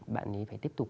bạn ấy phải tiếp tục